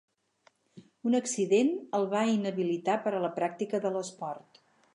Un accident el va inhabilitar per a la pràctica de l'esport.